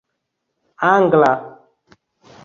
angla